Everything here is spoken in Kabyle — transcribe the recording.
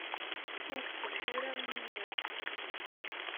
Ur tselleḥ ara imir-a.